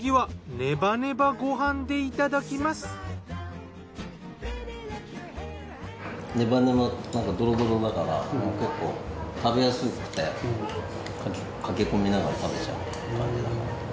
ネバネバなんかドロドロだから結構食べやすくてかき込みながら食べちゃう感じ。